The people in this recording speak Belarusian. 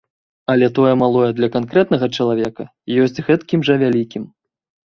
Але тое малое для канкрэтнага чалавека ёсць гэткім жа вялікім.